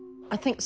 ああ。